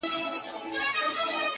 • قاضي صاحبه ملامت نه یم بچي وږي وه ـ